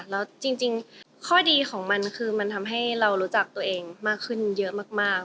แล้วจริงข้อดีของมันคือมันทำให้เรารู้จักตัวเองมากขึ้นเยอะมาก